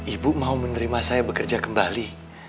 ibu mau menerima saya bekerja kembali